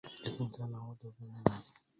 جست مثاني عودها بأنامل